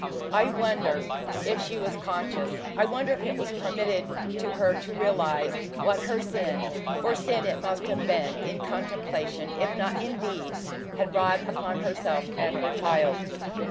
I wonder if she was conscious. I wonder if it was permitted to her to realize what her sin for sin it must have been, in contemplation, if not in deed had brought upon herself and her child.